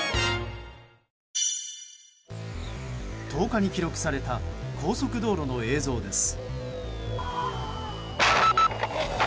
１０日に記録された高速道路の映像です。